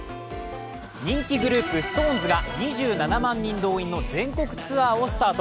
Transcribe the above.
人気グループ・ＳｉｘＴＯＮＥＳが２７万人動員の全国ツアーをスタート。